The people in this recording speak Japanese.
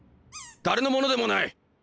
誰のものでもない！